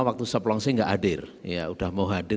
waktu seplong saya enggak hadir ya udah mau hadir